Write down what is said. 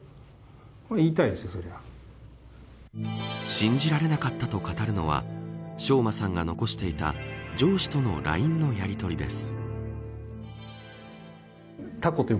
信じられなかったと語るのは翔馬さんが残していた上司とのＬＩＮＥのやりとりです。